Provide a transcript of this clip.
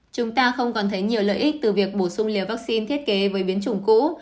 chúng ta không còn thấy nhiều lợi ích từ việc bổ sung liều vaccine thiết kế với biến chủng cũ